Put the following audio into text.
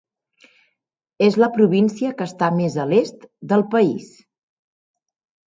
És la província que està més a l'est del país.